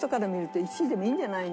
「１位でもいいんじゃないの？」